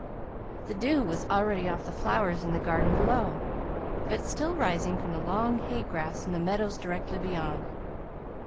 The dew was already off the flowers in the garden below, but still rising from the long hay grass in the meadows directly beyond.